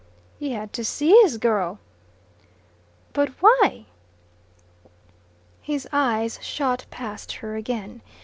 "He had to see his girl." "But why?" His eyes shot past her again.